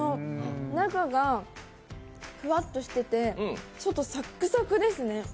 中がふわっとしてて、外サックサクですね。